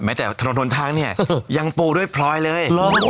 แม้แต่ถนนทางเนี่ยยังปูด้วยพลอยเลย